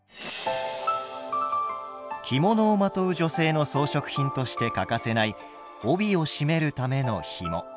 着物をまとう女性の装飾品として欠かせない帯を締めるためのひも。